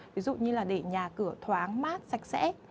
ví dụ như là để nhà cửa thoáng mát sạch sẽ